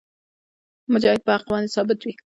مجاهد په حق باندې ثابت وي.